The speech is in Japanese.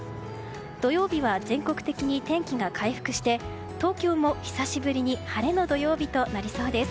土曜日は全国的に天気が回復して東京も久しぶりに晴れの土曜日となりそうです。